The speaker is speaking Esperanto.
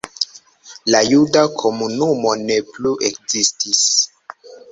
La juda komunumo ne plu ekzistis.